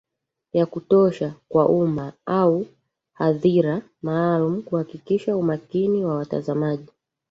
Ya kutosha kwa umma au hadhira maalumu kuhakikisha umakini wa watazamaji